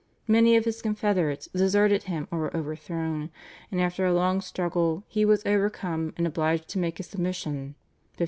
Many of his confederates deserted him or were overthrown, and after a long struggle he was overcome and obliged to make his submission (1573 74).